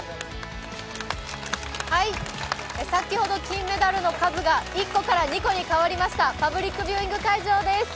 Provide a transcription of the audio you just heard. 先ほど金メダルの数が１個から２個に変わりました、パブリックビューイング会場です。